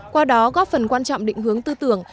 qua đó góp phần quan trọng định hướng tư tưởng